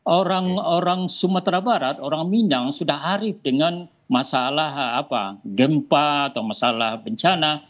orang orang sumatera barat orang minang sudah arif dengan masalah gempa atau masalah bencana